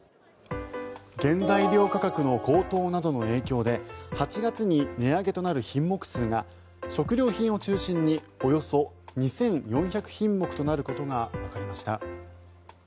原材料価格の高騰などの影響で８月に値上げとなる品目数が食料品を中心におよそ２４００品目となることがわかりました。